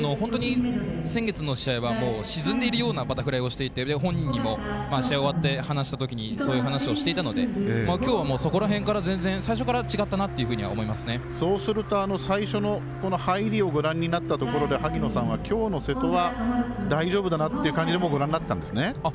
先月の試合は沈んでいるようなバタフライをしていて本人も試合、終わって話したとき、そういう話をしていたのできょうは、そこら辺から最初から違ったなとそうすると最初の入りをご覧になったところで萩野さんは、きょうの瀬戸は大丈夫だなという感じでご覧になっていたんですね。